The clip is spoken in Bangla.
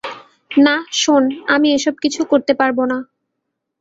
না, শোন, আমি এসব কিছু করতে পারবো না।